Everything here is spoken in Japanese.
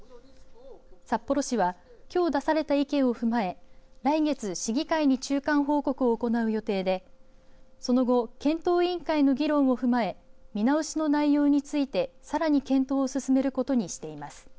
札幌市はきょう出された意見を踏まえ来月、市議会に中間報告を行う予定でその後検討委員会の議論を踏まえ見直しの内容についてさらに検討を進めることにしています。